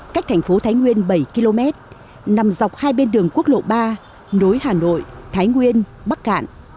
cách thành phố thái nguyên bảy km nằm dọc hai bên đường quốc lộ ba nối hà nội thái nguyên bắc cạn